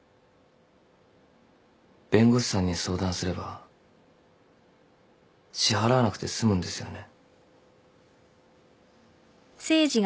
弁護士さんに相談すれば支払わなくて済むんですよね。